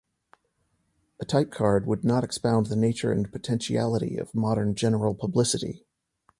A type card would not expound the nature and potentiality of modern general publicity.